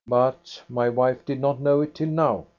But my wife did not know it till now.